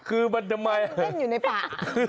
เฮ้มันเต้นอยู่ในป่า